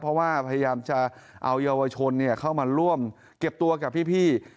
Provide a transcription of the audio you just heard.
เพราะว่าพยายามจะเอาเยาวชนเข้ามาร่วมเก็บตัวกับพี่